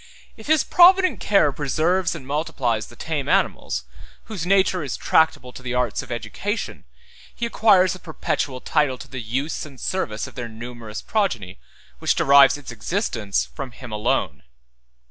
If his provident care preserves and multiplies the tame animals, whose nature is tractable to the arts of education, he acquires a perpetual title to the use and service of their numerous progeny, which derives its existence from him alone.